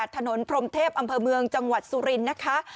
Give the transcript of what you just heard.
ถนนพรมเทพอำเภอเมืองจังหวัดสุรินทร์นะคะ